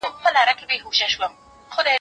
هغه څوک چي درسونه لوستل کوي پوهه زياتوي،